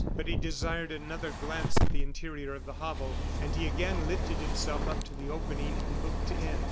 But he desired another glance at the interior of the hovel, and he again lifted himself up to the opening and looked in.